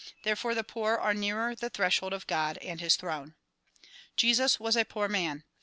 There fore the poor are nearer the threshold of God and his throne. Jesus was a poor man.